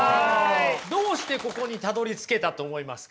どうしてここにたどりつけたと思いますか？